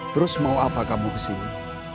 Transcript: terus mau apa kamu kesini